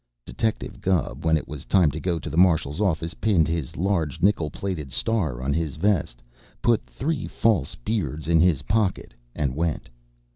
Detective Gubb, when it was time to go to the Marshal's office, pinned his large nickel plated star on his vest, put three false beards in his pocket, and went.